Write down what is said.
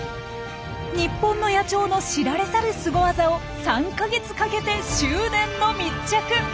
日本の野鳥の知られざるスゴ技を３か月かけて執念の密着。